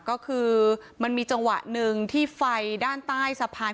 ก็คือมันมีจังหวะหนึ่งที่ไฟด้านใต้สะพาน